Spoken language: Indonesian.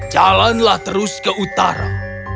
jalanlah terus ke utara